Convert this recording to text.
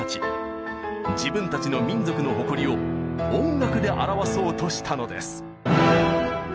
自分たちの民族の誇りを音楽で表そうとしたのです。